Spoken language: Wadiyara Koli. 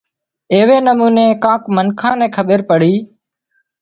ايوي نموني ڪانڪ منکان نين کٻير پڙي